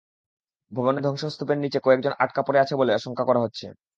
ভবনের ধ্বংসস্তূপের নিচে কয়েকজন আটকা পড়ে আছে বলে আশঙ্কা করা হচ্ছে।